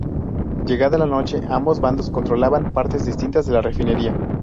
Llegada la noche, ambos bandos controlaban partes distintas de la refinería.